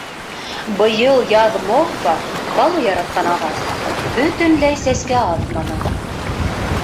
Быйыл яҙ мохва — Балу яратҡан ағас — бөтөнләй сәскә атманы.